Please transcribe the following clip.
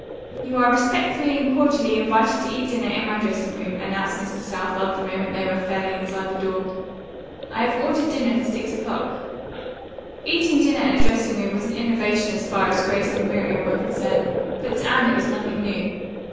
"You are respectfully and cordially invited to eat dinner in my dressing room," announced Mr. Southard the moment they were fairly inside the door. "I have ordered dinner for six o'clock." Eating dinner in a dressing room was an innovation as far as Grace and Miriam were concerned, but to Anne it was nothing new.